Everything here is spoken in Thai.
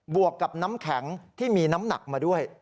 วกกับน้ำแข็งที่มีน้ำหนักมาด้วย